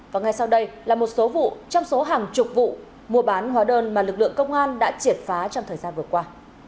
và ngay sau đây là một số vụ trong số hàng chục vụ mua bán hóa đơn mà lực lượng công an đã triệt phá trong thời gian vừa qua